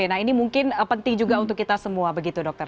nah ini mungkin penting juga untuk kita semua begitu dokter